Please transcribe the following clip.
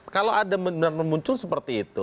kalau ada benar benar muncul seperti itu